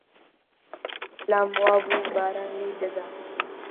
لام وا بوو باران لێی دەدا